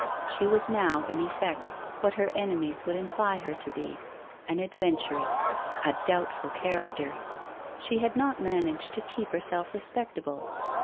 She was now, in effect, what her enemies would imply her to be, an ad venturess, a doubtful character. She had not managed to keep herself respectable.'